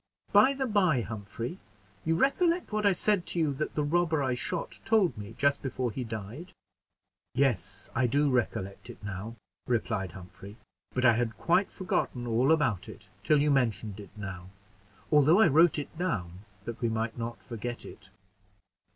"By the by, Humphrey, you recollect what I said to you that the robber I shot told me just before he died." "Yes, I do recollect it now," replied Humphrey; "but I had quite forgotten all about it till you mentioned it now, although I wrote it down that we might not forget it."